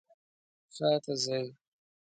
شاته ځئ